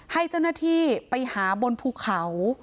ให้เจ้าหน้าที่ไปหาบนภูเขา